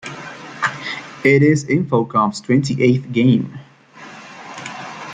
It is Infocom's twenty-eighth game.